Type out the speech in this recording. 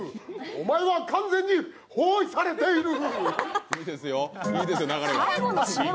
おまえは完全に包囲されている。